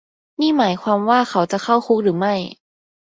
นี่หมายความว่าเขาจะเข้าคุกหรือไม่